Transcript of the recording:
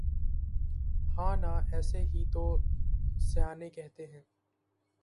ہاں نا اسی لئے تو سیانے کہتے ہیں